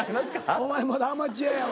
お前まだアマチュアやわ。